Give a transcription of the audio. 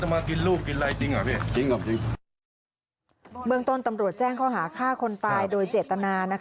เมืองต้นตำรวจแจ้งข้อหาฆ่าคนตายโดยเจตนา